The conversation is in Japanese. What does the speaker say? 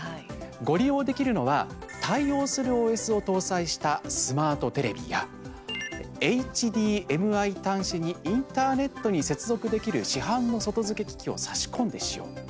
ご利用できるのは対応するＯＳを搭載したスマートテレビやＨＤＭＩ端子にインターネットに接続できる市販の外付け機器を差し込んで使用。